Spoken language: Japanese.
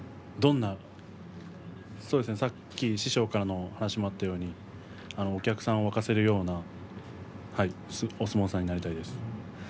どんなさっき師匠からの話もあったようにお客さんを沸かせるようなお相撲さんになりたいです。